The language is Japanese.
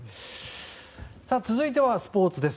続いてはスポーツです。